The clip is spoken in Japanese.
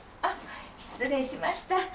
あっ失礼しました。